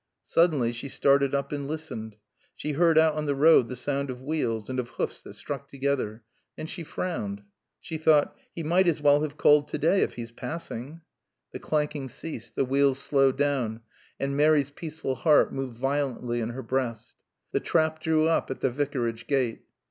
Suddenly she started up and listened. She heard out on the road the sound of wheels, and of hoofs that struck together. And she frowned. She thought, He might as well have called today, if he's passing. The clanking ceased, the wheels slowed down, and Mary's peaceful heart moved violently in her breast. The trap drew up at the Vicarage gate.